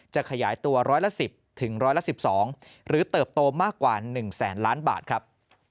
จะขยายตัวร้อยละ๑๐ถึงร้อยละ๑๒หรือเติบโตมากกว่า๑แสนล้านบาทครับ